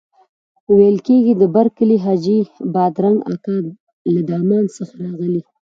ویل کېږي د برکلي حاجي بادرنګ اکا له دمان څخه راغلی.